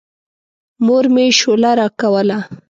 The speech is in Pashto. مور مې شوله راکوله.